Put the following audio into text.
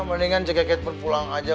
mendingan ceket pun pulang aja